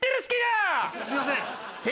すいません。